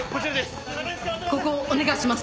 ここお願いします。